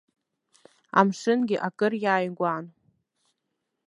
Амшынгьы акыр иааигәан.